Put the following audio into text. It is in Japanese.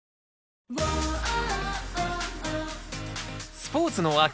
スポーツの秋。